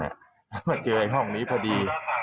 แล้วมาเจอห้องนี้พอดี